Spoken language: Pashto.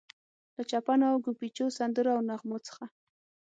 له چپنو او ګوبیچو، سندرو او نغمو څخه.